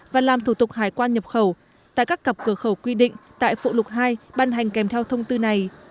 và làm thủ tục hải quan nhập khẩu tại các cặp cửa khẩu quy định tại phụ lục hai ban hành kèm theo thông tư này